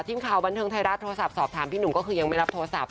ทีมข่าวบันเทิงไทยรัฐโทรศัพท์สอบถามพี่หนุ่มก็คือยังไม่รับโทรศัพท์